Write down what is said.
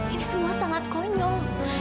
ini semua sangat konyol